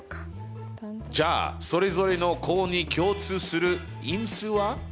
じゃあそれぞれの項に共通する因数は？